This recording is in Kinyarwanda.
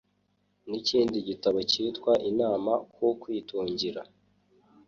nikindi gitabo cyitwa Inama ku Kwitungira